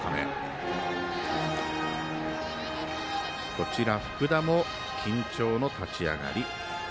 こちら、福田も緊張の立ち上がり。